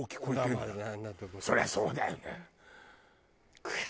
そりゃそうだよね。